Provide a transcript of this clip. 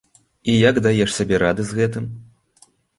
І як даеш сабе рады з гэтым?